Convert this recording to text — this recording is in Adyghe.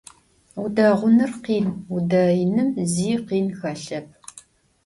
Vudeğunır khin, vudeinım zi khin xelhep.